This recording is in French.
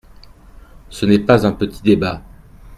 Ce n’est pas un petit débat.